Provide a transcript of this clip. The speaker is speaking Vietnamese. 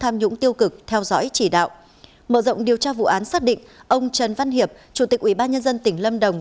mở rộng điều tra vụ án xác định ông trần văn hiệp chủ tịch ủy ban nhân dân tỉnh lâm đồng